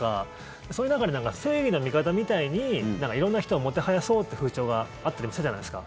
そういう中で正義の味方みたいに色んな人をもてはやそうって風潮があったりもしたじゃないですか。